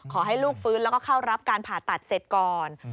ขอให้ลูกฟื้นแล้วก็เข้ารับการผ่าตัดเสร็จก่อน